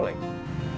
kan baru mulai